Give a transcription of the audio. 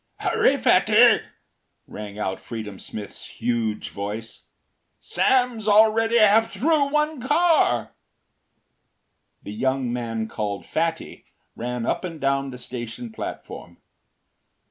“Hurry, Fatty,” rang out Freedom Smith’s huge voice, “Sam’s already half through one car.” The young man called “Fatty” ran up and down the station platform.